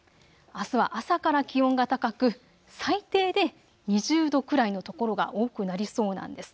あすは朝から気温が高く最低で２０度くらいの所が多くなりそうなんです。